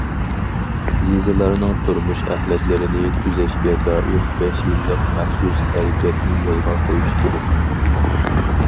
يېزىلارنىڭ تۇرمۇش ئەخلەتلىرىنى تۈزەشكە دائىر بەش يىللىق مەخسۇس ھەرىكەتنى يولغا قويۇش كېرەك.